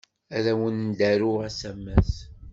Ad awen-d-aruɣ asamas.